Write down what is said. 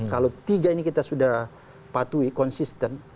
kalau tiga ini kita sudah patuhi konsisten